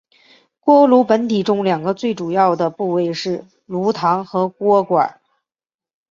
锅炉本体中两个最主要的部件是炉膛和锅筒。